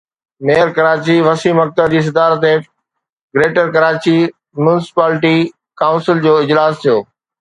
mayor Karachi Waseem Akhtar جي صدارت هيٺ گريٽر ڪراچي ميونسپالٽي ڪائونسل جو اجلاس ٿيو